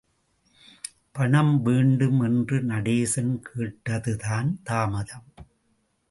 பணம் வேண்டும் என்று நடேசன் கேட்டதுதான் தாமதம்.